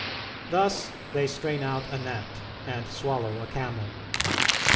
Thus they strain out a gnat, and swallow a camel.